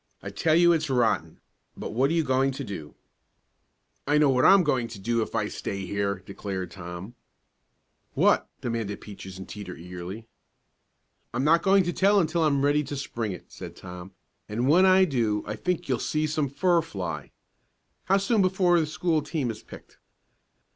I tell you it's rotten, but what are you going to do?" "I know what I'm going to do if I stay here!" declared Tom. "What?" demanded Peaches and Teeter eagerly. "I'm not going to tell until I'm ready to spring it," said Tom, "and when I do I think you'll see some fur fly. How soon before the school team is picked?"